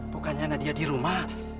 bukannya nadia di rumah